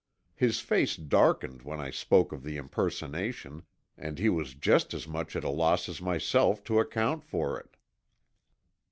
His face darkened when I spoke of the impersonation, and he was just as much at a loss as myself to account for it.